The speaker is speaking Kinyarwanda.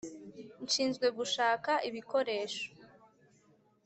nshinzwe gushaka ibikoresho